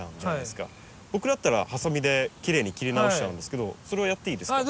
僕だったらハサミできれいに切り直しちゃうんですけどそれはやっていいですか？